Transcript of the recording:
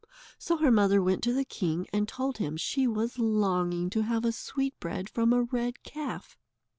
So her mother went to the king and told him she was longing to have a sweetbread from a red calf.